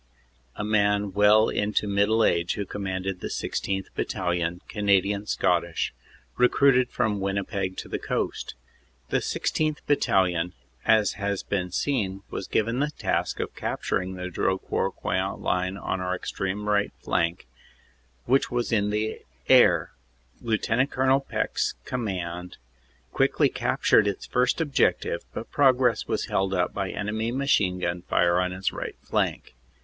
a man well into middle age who commanded the 16th. Battalion, Canadian Scottish, recruited from Winnipeg to the Coast. The 16th. Battalion, as has been seen, was given the task of cap turing the Drocourt Queant line on our extreme right flank, which was in the air. Lt. Col. Peck s command quickly cap tured its first objective but progress was held up by enemy machine gun fire on his right flank.